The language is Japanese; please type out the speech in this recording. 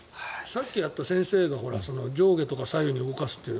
さっきやった先生の上下左右に動かすという。